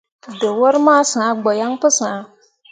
Dǝwor ma sãã gbo yaŋ pu sah.